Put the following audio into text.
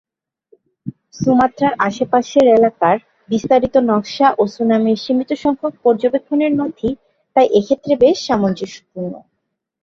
সুমাত্রার আশেপাশের এলাকার বিস্তারিত নকশা ও সুনামির সীমিত সংখ্যক পর্যবেক্ষণের নথি তাই এক্ষেত্রে বেশ সামঞ্জস্যপূর্ণ।